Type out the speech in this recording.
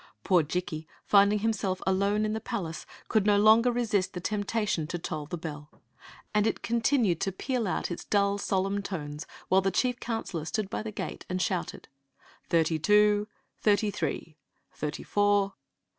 Poor Jikki, finding himself left alone in the palace, could no longer resist the temptation to toll the bcU; and it continued to peal out its duU, solemn tones 4.6 Ovieen Zixi of Ix; or, the while the chief counselor stood by the gate and shouted : "Thirty two, thirty three, thirty four!"